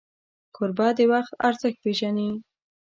کوربه د وخت ارزښت پیژني.